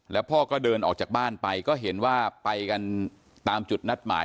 แล้วพ่อก็เดินออกจากบ้านไปก็เห็นว่าไปกันตามจุดนัดหมาย